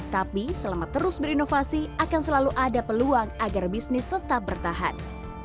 tapi selama terus berinovasi akan selalu ada peluang agar bisnis tetap bertahan